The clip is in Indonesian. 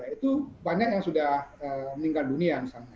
itu banyak yang sudah meninggal dunia misalnya